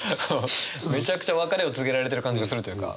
めちゃくちゃ別れを告げられてる感じがするというか。